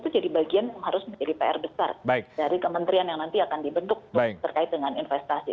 itu jadi bagian yang harus menjadi pr besar dari kementerian yang nanti akan dibentuk terkait dengan investasi